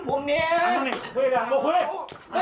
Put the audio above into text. เกมว่า